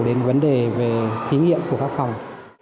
đến vấn đề về thí nghiệm của các phòng